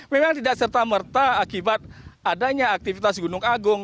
memang tidak serta merta akibat adanya aktivitas gunung agung